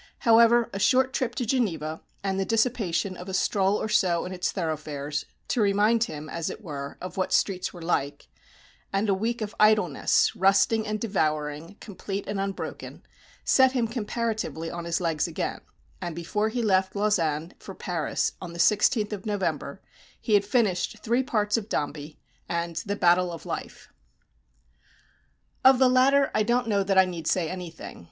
However, a short trip to Geneva, and the dissipation of a stroll or so in its thoroughfares, to remind him, as it were, of what streets were like, and a week of "idleness" "rusting and devouring," "complete and unbroken," set him comparatively on his legs again, and before he left Lausanne for Paris on the 16th of November, he had finished three parts of "Dombey," and the "Battle of Life." Of the latter I don't know that I need say anything.